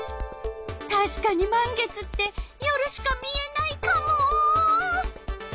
たしかに満月って夜しか見えないカモ！